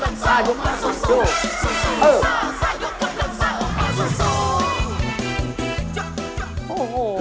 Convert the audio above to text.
ซูซูซ่าซ่ายกกับซูซูซูซูซ่าเอ้าซูซู